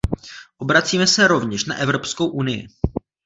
Obracíme se rovněž na Evropskou unii.